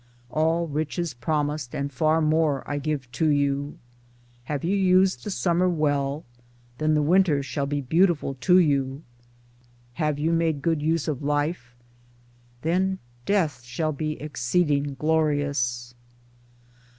All riches promised, and far more, I give to you. Have you used the Summer well, then the Winter shall be beautiful to you. Have you made good use of Life, then Death shall be exceeding glorious.